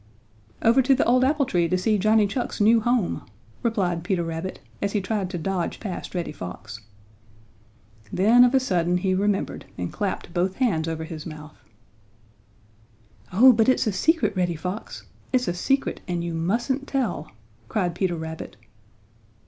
"Over to the old apple tree to see Johnny Chuck's new home," replied Peter Rabbit as he tried to dodge past Reddy Fox. Then of a sudden he remembered and clapped both hands over his mouth. "Oh, but it's a secret, Reddy Fox. It's a secret, and you mustn't tell!" cried Peter Rabbit.